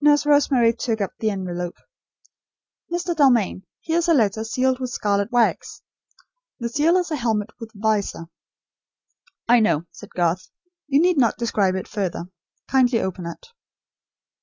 Nurse Rosemary took up the envelope. "Mr. Dalmain, here is a letter, sealed with scarlet wax. The seal is a helmet with visor " "I know," said Garth. "You need not describe it further. Kindly open it."